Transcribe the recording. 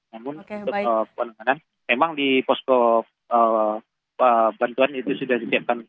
namun untuk penanganan memang di posko bantuan itu sudah disiapkan